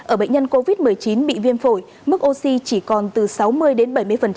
ở bệnh nhân covid một mươi chín bị viêm phổi mức oxy chỉ còn từ sáu mươi đến bảy mươi